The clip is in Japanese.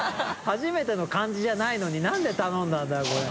初めての感じじゃないのに何で頼んだんだよこれ。